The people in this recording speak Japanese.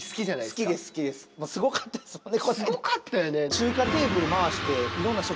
すごかったよね。